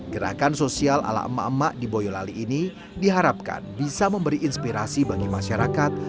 gerakan sosial ala emak emak di boyolali ini diharapkan bisa memberi inspirasi bagi masyarakat